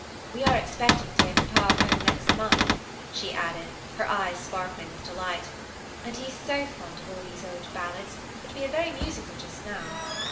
We are expecting dear papa home next month," she added, her eyes sparkling with delight, "and he is so fond of all these old ballads that we are very musical just now.